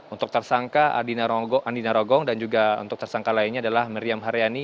untuk tersangka andina rogong dan juga untuk tersangka lainnya adalah meriam haryani